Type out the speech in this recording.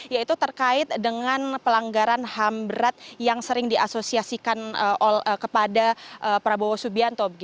yaitu terkait dengan pelanggaran ham berat yang sering diasosiasikan kepada prabowo subianto